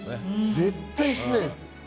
絶対しないです。